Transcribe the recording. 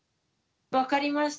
分かりました。